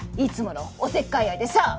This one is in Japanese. いつものおせっかい愛でさ！